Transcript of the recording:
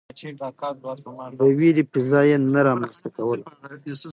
د وېرې فضا يې نه رامنځته کوله.